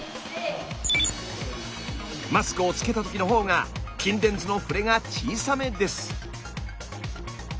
マスクをつけた時のほうが筋電図の振れが小さめです。